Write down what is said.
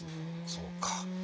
そうか。